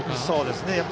そうですね。